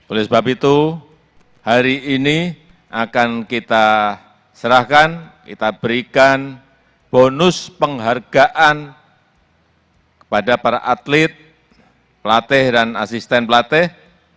oleh sebab itu hari ini akan kita serahkan kita berikan bonus penghargaan kepada para atlet pelatih dan asisten pelatih